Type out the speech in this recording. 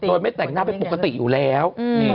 โดยไม่แต่งหน้าเป็นปกติอยู่แล้ว